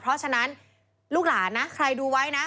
เพราะฉะนั้นลูกหลานนะใครดูไว้นะ